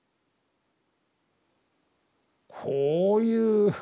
こういう。